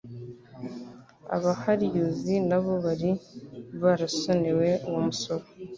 Abahariuzi nabo bari barasonewe uwo musoro.